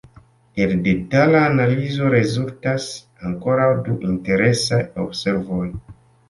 El detala analizo rezultas ankoraŭ du interesaj observoj.